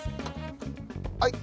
はい。